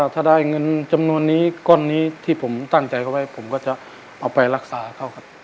ถ้าได้เงินจำนวนนี้ก้อนนี้ที่ผมตั้งใจเขาไว้ผมก็จะเอาไปรักษาเขาครับ